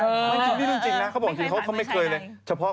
จริงนี่เรื่องจริงนะเขาบอกจริงเขาไม่เคยเลยเฉพาะ